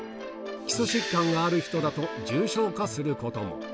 基礎疾患がある人だと重症化することも。